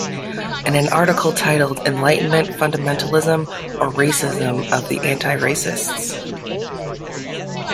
In an article titled Enlightenment Fundamentalism or Racism of the Anti-Racists?